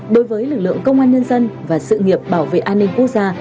đối với lực lượng công an nhân dân và sự nghiệp bảo vệ an ninh quốc gia